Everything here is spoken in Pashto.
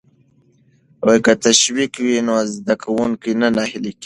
که تشویق وي نو زده کوونکی نه ناهیلی کیږي.